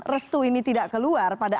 restu ini tidak keluar pada